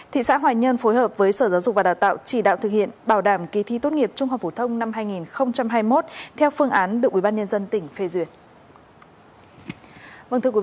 thị xã hoài nhơn phối hợp với sở giáo dục và đào tạo chỉ đạo thực hiện bảo đảm kỳ thi tốt nghiệp trung học phổ thông năm hai nghìn hai mươi một theo phương án được ubnd tỉnh phê duyệt